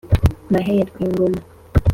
mahe ya rwingoma